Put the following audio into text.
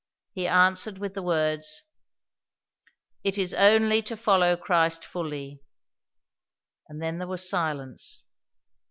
He answered, with the words, "It is only to follow Christ fully"; and then there was silence.